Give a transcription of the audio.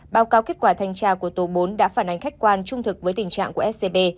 báo cáo kết quả thanh tra của tổ bốn đã phản ánh khách quan trung thực với tình trạng của scb